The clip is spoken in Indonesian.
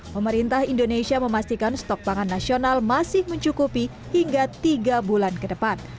pemerintah indonesia memastikan stok pangan nasional masih mencukupi hingga tiga bulan ke depan